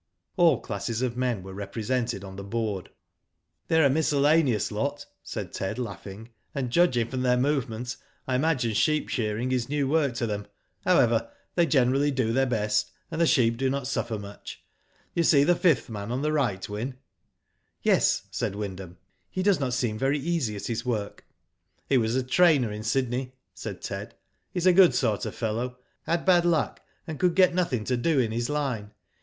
All classes of men were represented on the board. *' They are a miscellaneous lot'' said Ted laughing, and judging from their movements I imagine sheep shearing is new work to them. J low ever, they generally do their best, and thq Digitized by VjOOQIC IN THE SHED. 125 sheep do not suffer much. You see the fifth man on the right, Wyn?" *'Yes," said Wyndham, "he does not seem very easy at his work.'* " He was a trainer in Sydney," said Ted. "He's a good sort of fellow. Had bad luck, and could get nothing to do in his line.